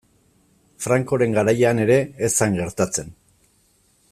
Francoren garaian ere ez zen gertatzen.